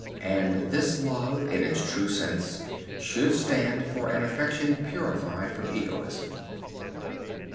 And this love, in its true sense, should stand for an affection purified from egoism.